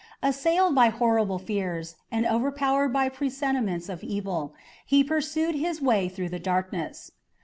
Assailed by horrible fears, and overpowered by presentiments of evil, he pursued his way through the darkness.